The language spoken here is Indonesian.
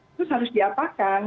terus harus diapakan